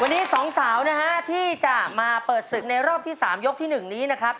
วันนี้สองสาวนะฮะที่จะมาเปิดศึกในรอบที่๓ยกที่๑นี้นะครับ